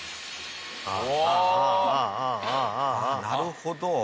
なるほど。